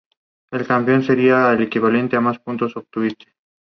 El campeón sería el equipo que más puntos obtuviese.